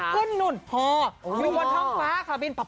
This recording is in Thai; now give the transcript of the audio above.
ขึ้นหนุ่นพออยู่บนท่องฟ้าค่ะบินปั๊บ